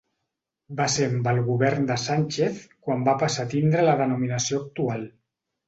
Va ser amb el Govern de Sánchez quan va passar a tindre la denominació actual.